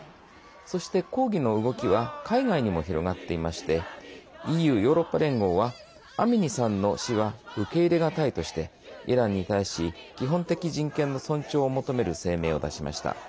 そして、抗議の動きは海外にも広がっていましてＥＵ＝ヨーロッパ連合はアミニさんの死は受け入れがたいとしてイランに対し基本的人権の尊重を求める声明を出しました。